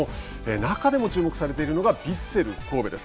中でも注目されているのがヴィッセル神戸です。